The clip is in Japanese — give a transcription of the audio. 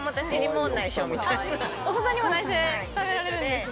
お子さんにも内緒で食べられるんですね。